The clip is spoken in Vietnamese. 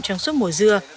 trong suốt mùa dưa